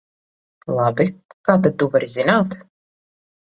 Labi, kā tad tu vari zināt?